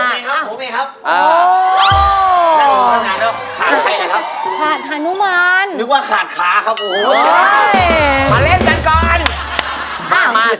แล้วเดี๋ยวยังขานิดหนึ่งตัวล่ะลูก